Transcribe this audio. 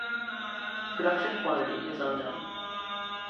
Production quantity is unknown.